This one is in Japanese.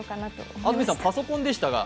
安住さん、パソコンでしたが？